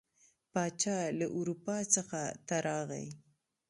پاچا له اروپا څخه ته راغی.